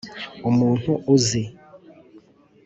umuntu uzi.